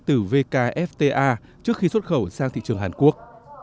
từ vkfta trước khi xuất khẩu sang thị trường hàn quốc